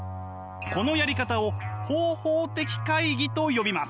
このやり方を方法的懐疑と呼びます。